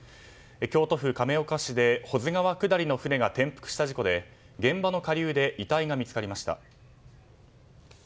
京都府亀岡市で保津川下りの船が転覆した事故で現場の下流で遺体が見つかりました。